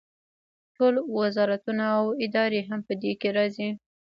ټول وزارتونه او ادارې هم په دې کې راځي.